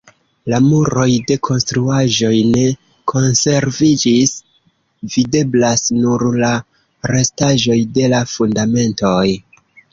La muroj de konstruaĵoj ne konserviĝis; videblas nur la restaĵoj de la fundamentoj.